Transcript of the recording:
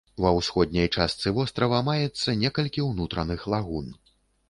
Ва ўсходняй частцы вострава маецца некалькі ўнутраных лагун.